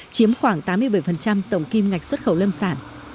chiếm khoảng tám mươi bảy tổng kim ngạch xuất khẩu lâm sản